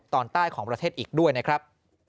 ตอนใต้ของประเทศอีกด้วยนะครับ